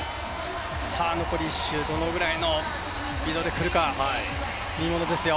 残り１周どのくらいのスピードで来るか見ものですよ。